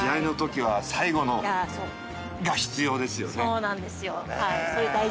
そうなんですよ。